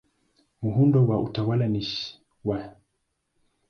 Muundo wa utawala ni wa shirikisho.